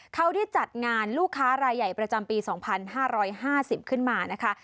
เขาได้จัดงานลูกค้ารายใหญ่ประจำปี๒๕๕๐ขึ้นมานะคะ